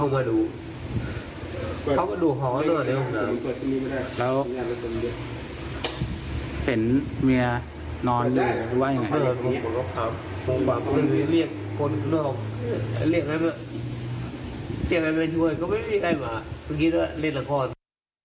เมียนอนเหลือหรือว่าอย่างไร